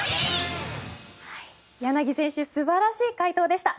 柳選手素晴らしい快投でした。